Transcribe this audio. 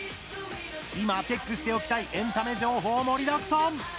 今、チェックしておきたいエンタメ情報盛りだくさん。